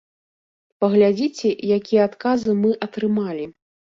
Паглядзіце, якія адказы мы атрымалі.